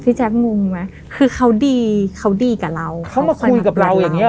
แจ๊กงงไหมคือเขาดีเขาดีกับเราเขามาคุยกับเราอย่างเงี้